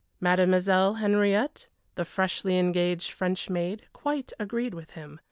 Mademoiselle Henriette, the freshly engaged French maid, quite agreed with him.